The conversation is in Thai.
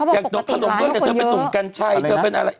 เขาบอกตกติดขนมเบื้องแต่เธอเป็นตุ๋มกันใช่อะไรนะเธอเป็นอะไร